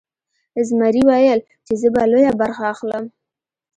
زمري ویل چې زه به لویه برخه اخلم.